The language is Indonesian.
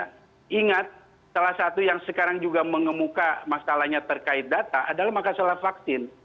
dan ingat salah satu yang sekarang juga mengemuka masalahnya terkait data adalah mengenai salah vaksin